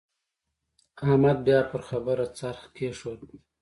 احمد بيا پر خبره څرخ کېښود.